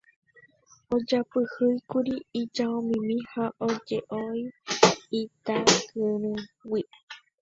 Ojapyhýkuri ijaomimi ha oje'ói Itakyrýgui.